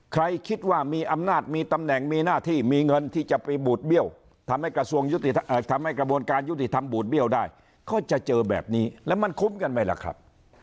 คิดว่ามีอำนาจมีตำแหน่งมีหน้าที่มีเงินที่จะไปบูดเบี้ยวทำให้กระทรวงทำให้กระบวนการยุติธรรมบูดเบี้ยวได้ก็จะเจอแบบนี้แล้วมันคุ้มกันไหมล่ะครับ